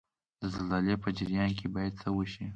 د زلزلې په جریان کې باید څه وشي؟